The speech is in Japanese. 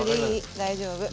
大丈夫。